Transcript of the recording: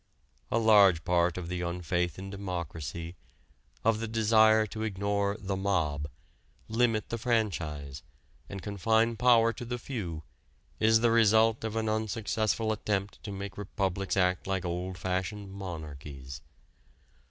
A large part of the unfaith in democracy, of the desire to ignore "the mob," limit the franchise, and confine power to the few is the result of an unsuccessful attempt to make republics act like old fashioned monarchies.